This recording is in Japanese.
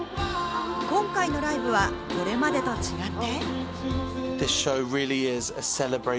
今回のライブはこれまでと違って。